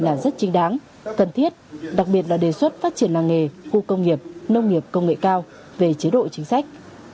các đề xuất kiến nghị của cử tri sẽ lãng ngâm là rất trinh đáng cần thiết đặc biệt là đề xuất phát triển năng nghề khu công nghiệp nông nghiệp công nghệ cao về chế độ chính sách